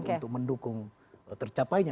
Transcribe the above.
untuk mendukung tercapainya